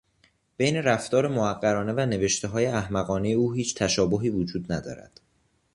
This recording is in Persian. بین رفتار موقرانه و نوشتههای احمقانهی او هیچ تشابهی وجود ندارد.